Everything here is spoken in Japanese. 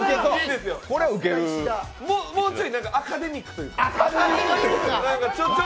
もうちょいアカデミックというか。